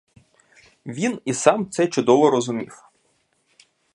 Він і сам це чудово розумів.